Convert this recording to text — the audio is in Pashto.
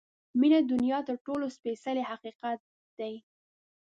• مینه د دنیا تر ټولو سپېڅلی حقیقت دی.